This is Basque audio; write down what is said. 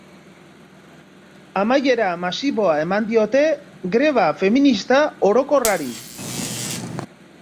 Amaiera masiboa eman diote Greba Feminista Orokorrari